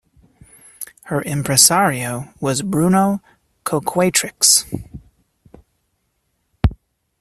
Her impresario was Bruno Coquatrix.